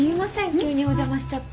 急にお邪魔しちゃって。